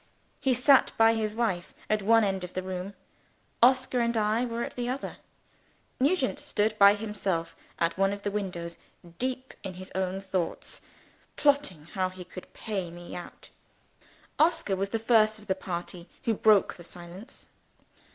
He sat by his wife at one end of the room. Oscar and I were at the other. Nugent stood by himself at one of the windows, deep in his own thoughts, plotting how he could pay me out. Oscar was the first of the party who broke the silence.